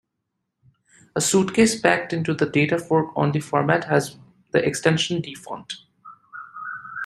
A suitcase packed into the data-fork-only format has the extension "dfont".